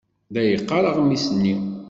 La yeqqar aɣmis-nni.